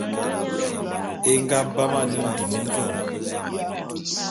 É nga bam ane ndum mveng.